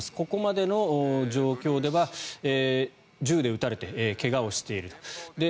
ここまでの状況では銃で撃たれて怪我をしていると。